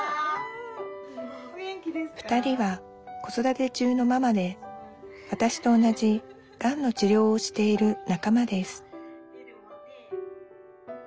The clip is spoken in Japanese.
２人は子育て中のママでわたしと同じがんの治療をしている仲間です